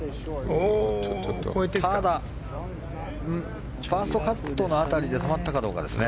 ただファーストカットの辺りで止まったかどうかですね。